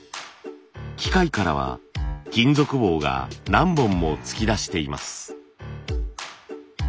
機械からは金属棒が何本も突き出しています。